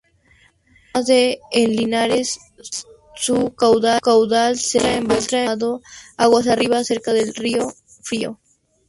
Además de en Linares, su caudal se encuentra embalsado aguas arriba cerca de Riofrío.